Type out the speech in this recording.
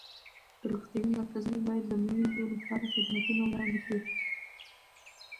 روغتیایي مرکزونه باید د میندو لپاره خدمتونه وړاندې کړي.